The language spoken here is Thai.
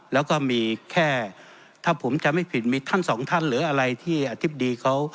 แล้วก็มีแค่ถ้าผมจำไม่ผิดมีทั้งสองท่านหรืออะไรที่อธิบดีเขา